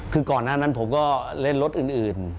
คือก่อนหน้านั้นผมก็เล่นรถอื่น